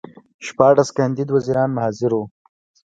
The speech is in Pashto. شپاړس کاندید وزیران حاضر وو.